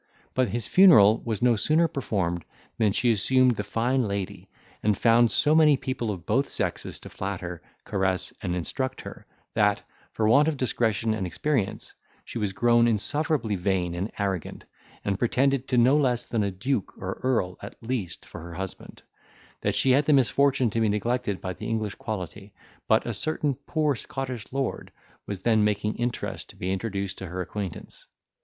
But his funeral was no sooner performed, than she assumed the fine lady, and found so many people of both sexes to flatter, caress, and instruct her, that, for want of discretion and experience, she was grown insufferably vain and arrogant, and pretended to no less than a duke or earl at least for her husband; that she had the misfortune to be neglected by the English quality, but a certain poor Scottish lord was then making interest to be introduced to her acquaintance.